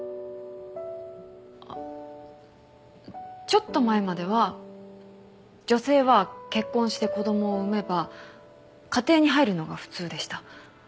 ちょっと前までは女性は結婚して子供を産めば家庭に入るのが普通でした。